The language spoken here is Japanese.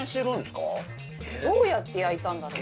どうやって焼いたんだろう？